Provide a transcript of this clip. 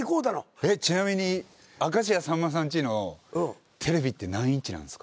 えっちなみに明石家さんまさんちのテレビって何インチなんですか？